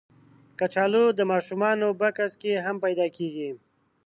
کچالو د ماشومانو بکس کې هم پیدا کېږي